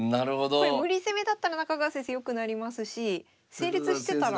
これ無理攻めだったら中川先生よくなりますし成立してたら。